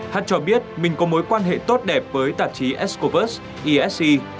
hát cho biết mình có mối quan hệ tốt đẹp với tạp chí scopus esc